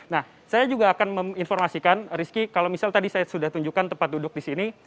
nah saya juga akan menginformasikan rizky kalau misal tadi saya sudah tunjukkan kalau misal tadi saya sudah tunjukkan